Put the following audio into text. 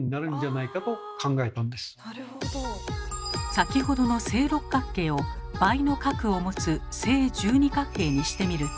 先ほどの正六角形を倍の角を持つ正十二角形にしてみると。